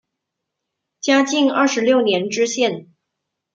嘉靖二十六年知县。